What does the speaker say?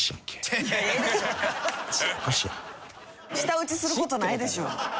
舌打ちする事ないでしょ。